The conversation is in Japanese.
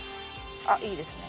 あっいいですね。